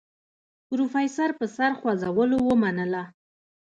پروفيسر په سر خوځولو ومنله.